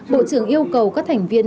bộ trưởng yêu cầu các thành viên